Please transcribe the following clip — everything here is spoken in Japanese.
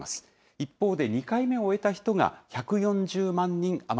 一方で２回目を終えた人が１４０